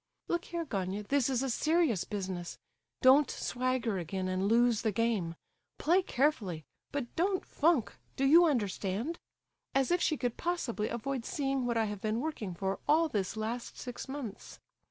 Look here, Gania, this is a serious business. Don't swagger again and lose the game—play carefully, but don't funk, do you understand? As if she could possibly avoid seeing what I have been working for all this last six months!